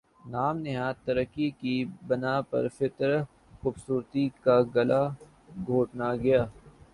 نام نہاد ترقی کی بنا پر فطری خوبصورتی کا گلا گھونٹتا گیا